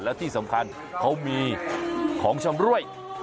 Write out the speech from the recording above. และที่สำคัญเขามีของชำรวย